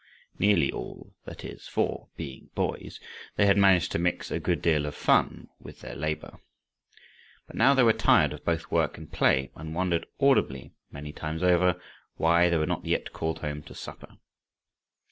Nearly all, that is, for, being boys, they had managed to mix a good deal of fun with their labor. But now they were tired of both work and play, and wondered audibly, many times over, why they were not yet called home to supper.